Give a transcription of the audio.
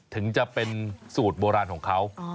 ถึงจะเป็นสูตรโบราณของเขา